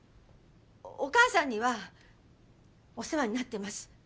お母さんにはお世話になってます。